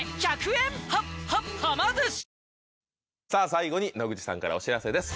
最後に野口さんからお知らせです。